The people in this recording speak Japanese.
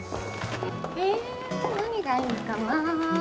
え何がいいかなぁ。